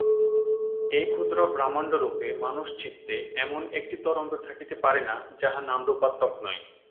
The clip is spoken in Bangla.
এই ক্ষুদ্র ব্রহ্মাণ্ডরূপ মনুষ্যচিত্তে এমন একটি তরঙ্গ থাকিতে পারে না, যাহা নামরূপাত্মক নয়।